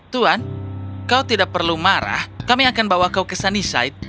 tuan kau tidak perlu marah kami akan bawa kau ke sunnyside